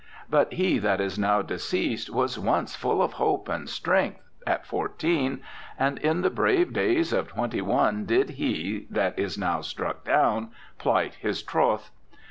But he that is now deceased was once full of hope and strength (at fourteen), and in the brave days of twenty one did he, that is now struck down, plight his troth.